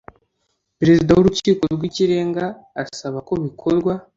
Perezida w Urukiko rw Ikirenga asaba ko bikorwa